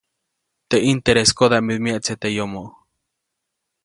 Teʼ ʼintereskoda midu myeʼtse teʼ yomoʼ.